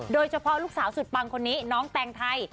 โดยเฉพาะลูกสาวสุดปังคนนี้น้องแตงไทย